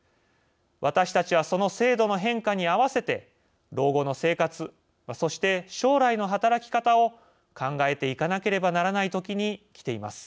私たちはその制度の変化にあわせて老後の生活そして将来の働き方を考えていかなければならない時にきています。